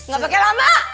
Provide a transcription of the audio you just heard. gak pakai lama